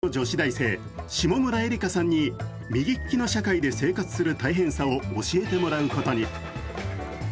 左利きの女子大生下村えりかさんに右利きの社会で生活する大変さを教えてもらうことに。